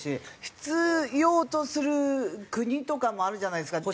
必要とする国とかもあるじゃないですか。